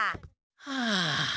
はあ。